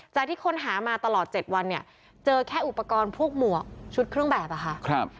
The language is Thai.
จากที่คนหามาตลอด๗วันเจอแค่อุปกรณ์พวกหมวกชุดเครื่องแบบ